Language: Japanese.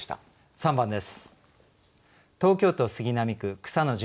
３番です。